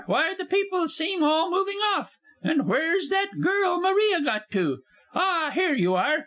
Why, the people seem all moving off! and where's that girl Maria got to? Ah, here you are!